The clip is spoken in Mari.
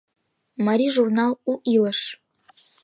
МАРИЙ ЖУРНАЛ «У ИЛЫШ»